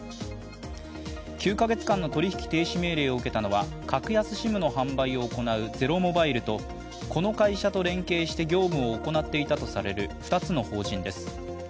９か月間の取引停止命令を受けたのは、格安ＳＩＭの販売を行うゼロモバイルとこの会社と連携して業務を行っていたとされる２つの法人です。